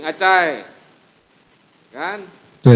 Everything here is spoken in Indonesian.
haka menghubungi acai